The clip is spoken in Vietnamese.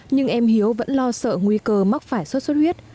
nhưng em hiếu vẫn lo sợ nguy cơ mắc phải sốt xuất huyết